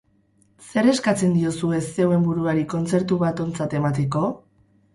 Zer eskatzen diozue zeuen buruari kontzertu bat ontzat emateko?